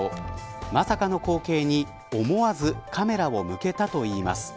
まさかの光景に思わずカメラを向けたといいます。